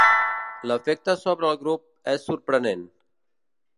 L'efecte sobre el grup és sorprenent.